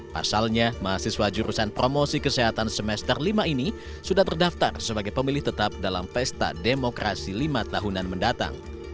pasalnya mahasiswa jurusan promosi kesehatan semester lima ini sudah terdaftar sebagai pemilih tetap dalam pesta demokrasi lima tahunan mendatang